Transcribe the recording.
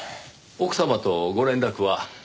奥様とご連絡は？